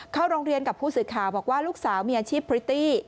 เข้าโรงเรียนกับผู้สื่อข่าวบอกว่าลูกสาวมีอาชีพพริตตี้